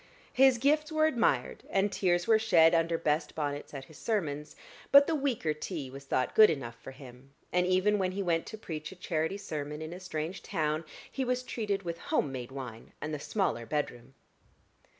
His gifts were admired, and tears were shed under best bonnets at his sermons; but the weaker tea was thought good enough for him; and even when he went to preach a charity sermon in a strange town, he was treated with home made wine and the smaller bedroom.